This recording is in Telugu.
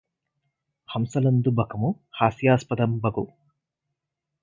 హంసలందు బకము హాస్యాస్పదంబగు